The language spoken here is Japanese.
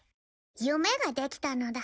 夢ができたのだ。